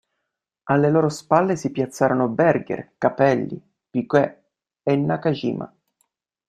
Alle loro spalle si piazzarono Berger, Capelli, Piquet e Nakajima.